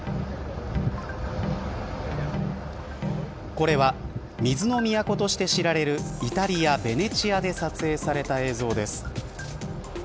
これは水の都として知られるイタリア、ベネチアで撮影された映像です。